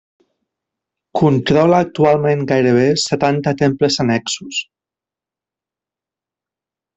Controla actualment gairebé setanta temples annexos.